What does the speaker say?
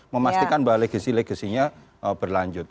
memastikan bahwa legasi legasinya berlanjut